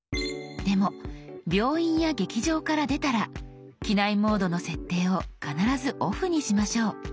でも病院や劇場から出たら「機内モード」の設定を必ず「ＯＦＦ」にしましょう。